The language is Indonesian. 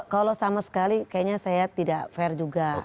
kalau sama sekali kayaknya saya tidak fair juga